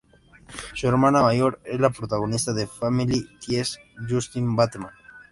Su hermana mayor es la protagonista de "Family Ties", Justine Bateman.